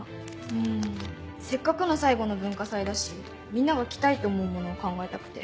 うんせっかくの最後の文化祭だしみんなが着たいって思うものを考えたくて。